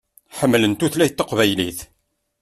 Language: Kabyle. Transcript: Ḥemmlen tutlayt taqbaylit.